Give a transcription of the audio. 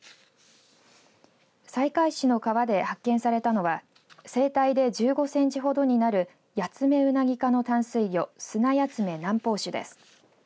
西海市の川で発見されたのは成体で１５センチほどになるヤツメウナギ科の淡水魚スナヤツメ南方種です。